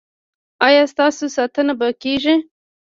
ایا ستاسو ساتنه به کیږي؟